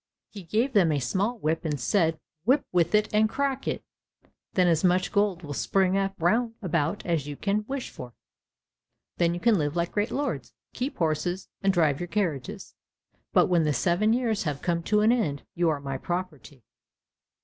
He gave them a small whip and said, "Whip with it and crack it, and then as much gold will spring up round about as you can wish for; then you can live like great lords, keep horses, and drive your carriages, but when the seven years have come to an end, you are my property."